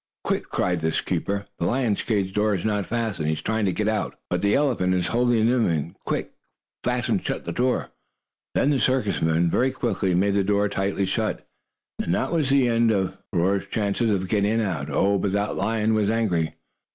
"Quick!" cried this keeper. "The lion's cage door is not fastened. He is trying to get out, but the elephant is holding him in. Quick! Fasten shut the door!" Then the circus men, very quickly, made the door tightly shut, and that was the end of Roarer's chances for getting out. Oh, but that lion was angry!